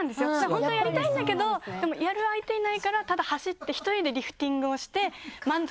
本当はやりたいんだけどやる相手いないからただ走って１人でリフティングをして。